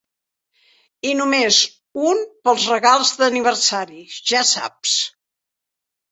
I només un pels regals d'aniversari, ja saps.